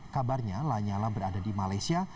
kabarnya lanyala berada di malaysia